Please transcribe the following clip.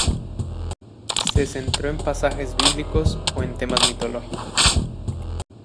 Se centró en pasajes bíblicos o en temas mitológicos.